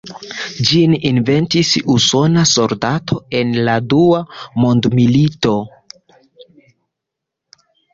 Ĝin inventis usona soldato en la Dua mondmilito.